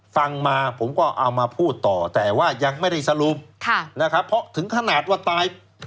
ฟังมาผมก็เอามาพูดต่อแต่ว่ายังไม่ได้สรุปนะครับเพราะถึงขนาดว่าตาย